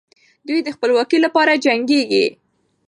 دوی د خپلواکۍ لپاره جنګېږي.